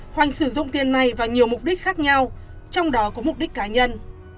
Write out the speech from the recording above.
hoành sử dụng tiền này vào nhiều mục đích khác nhau trong đó có mục đích cá nhân